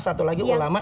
satu lagi ulama